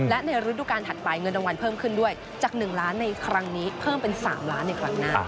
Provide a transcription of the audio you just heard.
และในฤดูการถัดไปเงินรางวัลเพิ่มขึ้นด้วยจาก๑ล้านในครั้งนี้เพิ่มเป็น๓ล้านในครั้งหน้า